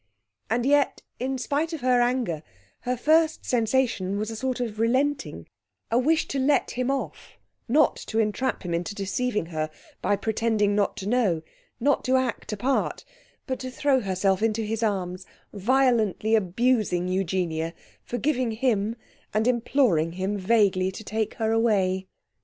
And yet, in spite of her anger, her first sensation was a sort of relenting a wish to let him off, not to entrap him into deceiving her by pretending not to know, not to act a part, but to throw herself into his arms, violently abusing Eugenia, forgiving him, and imploring him vaguely to take her away.